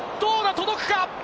届くか？